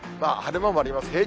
晴れ間もあります。